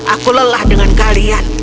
aku lelah dengan kalian